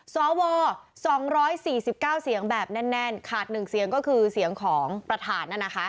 สว๒๔๙เสียงแบบแน่นขาด๑เสียงก็คือเสียงของประธาน